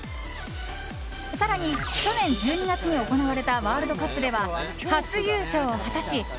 更に、去年１２月に行われたワールドカップでは初優勝を果たし